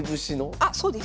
あっそうです。